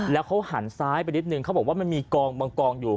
แล้วเขาหันซ้ายไปนิดนึงเขาบอกว่ามันมีกองบางกองอยู่